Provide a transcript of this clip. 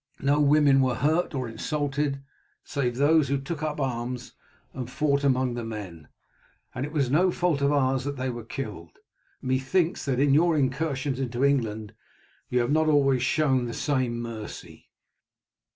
No women were hurt or insulted, save those who took up arms and fought among the men, and it was no fault of ours that they were killed. Methinks that in your incursions into England you have not always shown the same mercy."